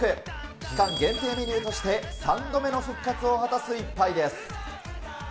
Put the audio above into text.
期間限定メニューとして、３度目の復活を果たす一杯です。